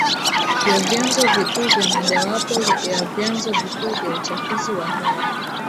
ya vyanzo vikuu vyaMojawapo ya vyanzo vikuu vya uchafuzi wa hewa